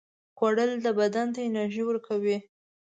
خوړل بدن ته انرژي ورکوي